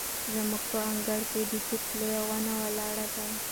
زموږ په انګړ کې د توت لویه ونه ولاړه ده.